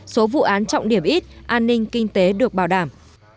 số vụ án trọng điểm ít an ninh kinh tế được bảo đảm